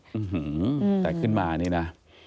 อืมแต่ขึ้นมานี่นะ